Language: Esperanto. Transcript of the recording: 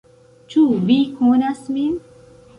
"Ĉu vi konas min?"